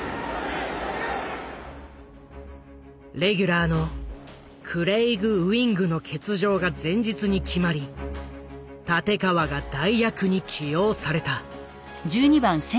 レギュラーのクレイグ・ウィングの欠場が前日に決まり立川が代役に起用された。